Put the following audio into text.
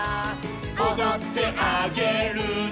「おどってあげるね」